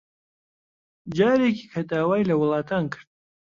جارێکی کە داوای لە وڵاتان کرد